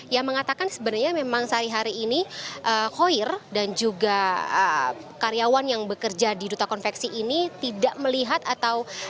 yang mengatakan sebenarnya memang sehari hari ini khoir dan juga karyawan yang bekerja di duta konveksi ini tidak melihat atau